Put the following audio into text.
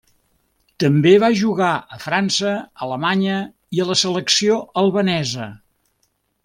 També va jugar a França, Alemanya, i a la selecció albanesa.